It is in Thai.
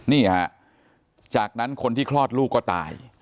นี่ฮะจากนั้นคนที่คลอดลูกก็ตาย